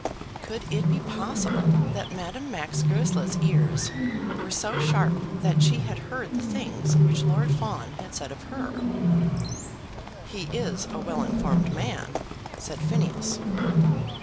Could it be possible that Madame Max Goesler's ears were so sharp that she had heard the things which Lord Fawn had said of her? "He is a well informed man," said Phineas.